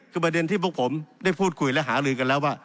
คือประเด็นที่พวกผมได้พูดคุยและหาลือกันแล้วว่า